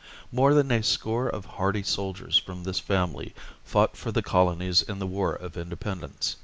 More than a score of hardy soldiers from this family fought for the Colonies in the War of Independence.